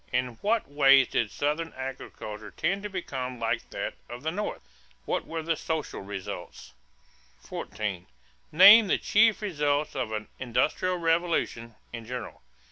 In what ways did Southern agriculture tend to become like that of the North? What were the social results? 14. Name the chief results of an "industrial revolution" in general.